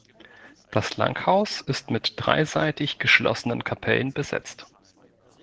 Das Langhaus ist mit dreiseitig geschlossenen Kapellen besetzt.